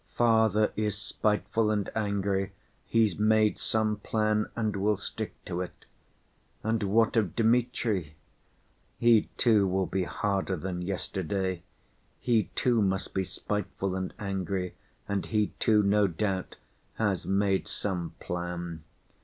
"Father is spiteful and angry, he's made some plan and will stick to it. And what of Dmitri? He too will be harder than yesterday, he too must be spiteful and angry, and he too, no doubt, has made some plan.